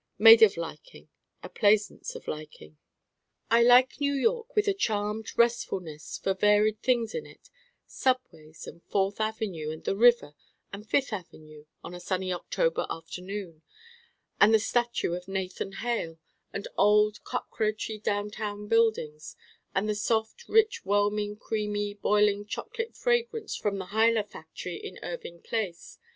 made of liking: a plaisance of liking. I like New York with a charmed restfulness for varied things in it: subways, and Fourth Avenue, and the River, and Fifth Avenue on a sunny October afternoon, and the statue of Nathan Hale, and old cockroachy downtown buildings, and the soft rich whelming creamy boiling chocolate fragrance from the Huyler factory in Irving Place.